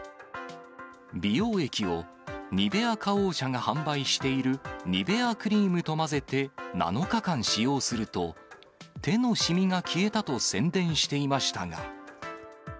美容液を、ニベア花王社が販売しているニベアクリームと混ぜて７日間使用すると、手の染みが消えたと宣伝していましたが。